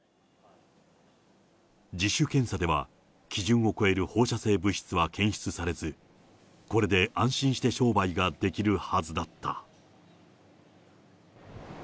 自主検査では、基準を超える放射性物質は検出されず、これで安心して商売ができるはずだった。